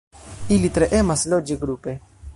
Ili tre emas loĝi grupe.